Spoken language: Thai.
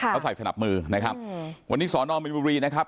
เขาใส่สนับมือนะครับวันนี้สอนอมมินบุรีนะครับ